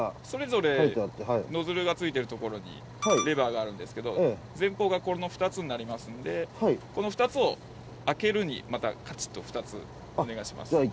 それぞれノズルがついてるところにレバーがあるんですけど前方がこの２つになりますのでこの２つを「開」にまたカチッと２つお願いします。